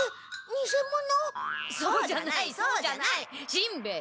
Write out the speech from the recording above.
しんべヱ。